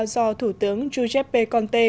do thủ tướng giuseppe conte